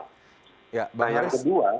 nah yang kedua